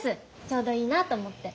ちょうどいいなと思って。